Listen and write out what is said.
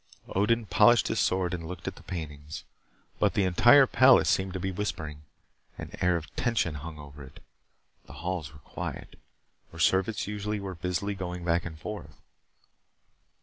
Odin polished his sword and looked at the paintings. But the entire palace seemed to be whispering. An air of tension hung over it. The halls were quiet, where servants usually were busily going back and forth.